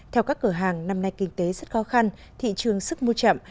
theo các cửa hàng năm nay kinh tế rất khó khăn thị trường sức mua chậm